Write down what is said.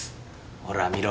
ほら見ろ。